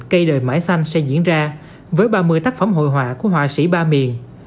cây đời mãi xanh sẽ diễn ra với ba mươi tác phẩm hội họa của họa sĩ ba miền